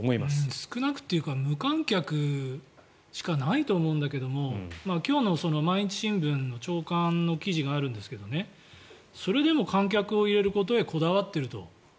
少なくというか無観客しかないと思うんだけども今日の毎日新聞の朝刊の記事があるんですけどそれでも観客を入れることに政府はこだわっていると。